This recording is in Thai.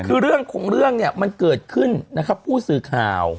คือเรื่องของเรื่องเนี่ยมันเกิดขึ้นนะครับผู้สื่อข่าว